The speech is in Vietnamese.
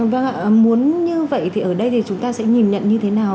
vâng ạ muốn như vậy thì ở đây thì chúng ta sẽ nhìn nhận như thế nào